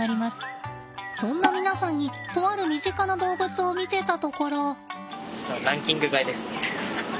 そんな皆さんにとある身近な動物を見せたところ。